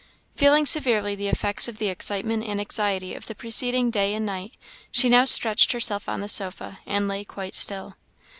Feeling severely the effects of the excitement and anxiety of the preceding day and night, she now stretched herself on the sofa, and lay quite still.